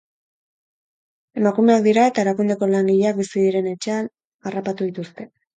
Emakumeak dira eta erakundeko langileak bizi diren etxean harrapatu dituzte.